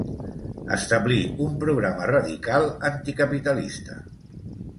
Establí un programa radical anticapitalista.